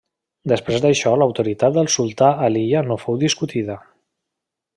Després d'això l'autoritat del sultà a l'illa no fou discutida.